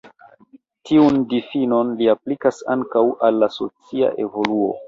Tiun difinon li aplikas ankaŭ al la socia evoluo.